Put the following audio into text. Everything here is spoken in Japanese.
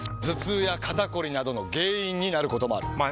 頭痛や肩こりなどの原因になることもある。